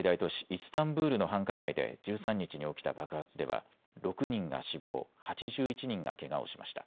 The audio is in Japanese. イスタンブールの繁華街で１３日に起きた爆発では６人が死亡、８１人がけがをしました。